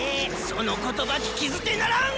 その言葉聞き捨てならん！